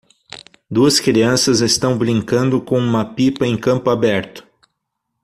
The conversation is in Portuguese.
Duas crianças estão brincando com uma pipa em campo aberto.